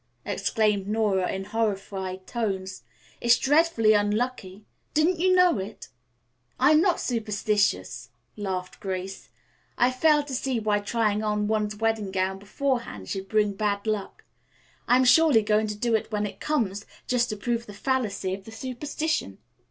exclaimed Nora in horrified tones. "It's dreadfully unlucky. Didn't you know it?" "I am not superstitious," laughed Grace. "I fail to see why trying on one's wedding gown beforehand should bring bad luck. I am surely going to do it when it comes, just to prove the fallacy of the superstition."